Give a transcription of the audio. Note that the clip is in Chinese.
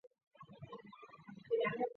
前妻是演员的户田惠子。